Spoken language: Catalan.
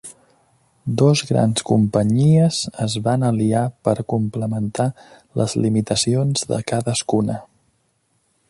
Dos grans companyies es van aliar per complementar les limitacions de cadascuna.